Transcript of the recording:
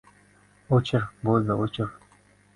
O‘chir, bo‘ldi, o‘chir!